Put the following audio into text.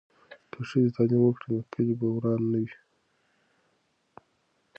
که ښځې تعلیم وکړي نو کلي به وران نه وي.